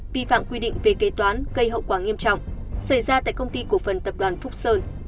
vi phạm quy định về kế toán gây hậu quả nghiêm trọng xảy ra tại công ty cổ phần tập đoàn phúc sơn